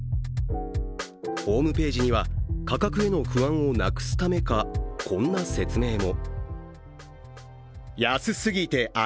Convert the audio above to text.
ホームページには価格への不安をなくすためかこんな説明も。